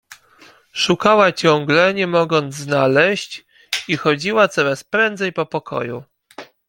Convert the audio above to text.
Szukała ciągle, nie mogąc znaleźć, i chodziła coraz prędzej po pokoju.